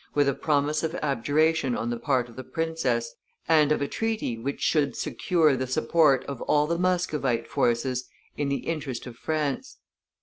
with a promise of abjuration on the part of the princess, and of a treaty which should secure the support of all the Muscovite forces in the interest of France.